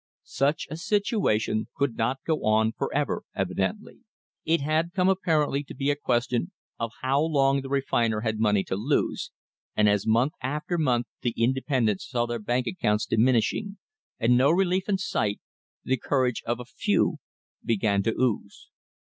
Such a situation could not go on forever, evidently. It had come apparently to be a question of how long the re finer had money to lose, and, as month after month the inde pendents saw their bank accounts diminishing, and no relief in sight, the courage of a few began to ooze.